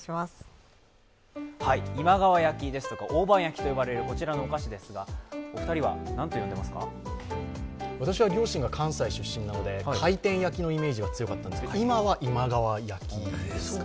今川焼きですとか大判焼きと呼ばれるこちらのお菓子ですが私は両親が関西出身なので回転焼きのイメージが強かったんですけど今は今川焼き。